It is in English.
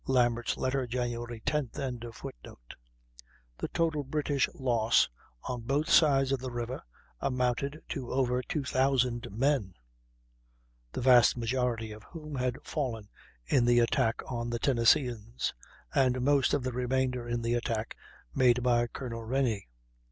(Lambert's letter, Jan. 10th.)] The total British loss on both sides of the river amounted to over two thousand men, the vast majority of whom had fallen in the attack on the Tennesseeans, and most of the remainder in the attack made by Colonel Rennie.